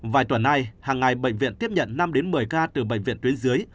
vài tuần nay hàng ngày bệnh viện tiếp nhận năm một mươi ca từ bệnh viện tuyến dưới